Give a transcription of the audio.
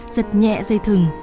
giật nhẹ dây thừng